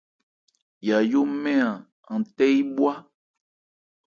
Yayo mɛ́n-an, an tɛ́ yí bhwá.